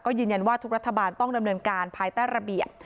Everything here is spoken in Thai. ยืนยันว่าทุกรัฐบาลต้องดำเนินการภายใต้ระเบียบ